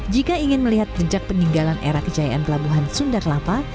jika ingin melihat jejak peninggalan era kejayaan pelabuhan sunda kelapa